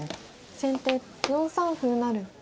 先手４三歩成。